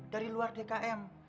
dari luar dkm